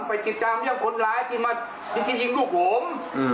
ไปติดตามเรื่องคนร้ายที่มาที่ยิงลูกผม